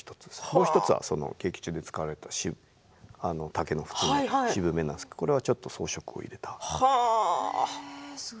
もう１つが劇中で使われた竹の渋めのものなんですけどこれはちょっと装飾を入れました。